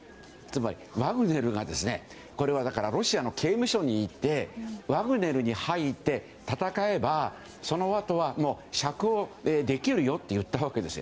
つまり、ワグネルがロシアの刑務所に行ってワグネルに入って戦えばそのあとは釈放できるよと言ったわけです。